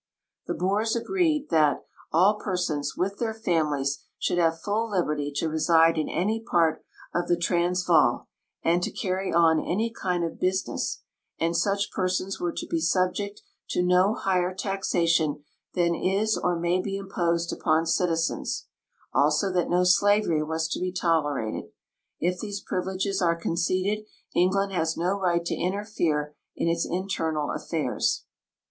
The Boers agreed^ that "all per sons, Avith their families, should have full liberty to reside in any part of the Transvaal and to carrry on any kind of business, and such persons Avere to be subject to no higher taxation than is or may be imposed upon citizens ;" also that no slavery was to be tolerated. If these privileges are conceded, England has no right to interfere in its internal affairs.